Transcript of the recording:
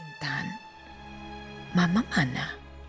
intan mama mana